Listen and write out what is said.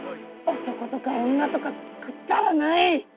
男とか女とかくだらない！